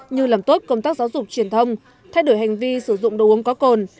như làm tốt công tác giáo dục truyền thông thay đổi hành vi sử dụng đồ uống có cồn